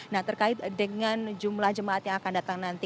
nah terkait dengan jumlah jemaat yang akan datang nanti